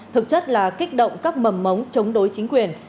thực chất là kích động các mầm mống chống đối chính quyền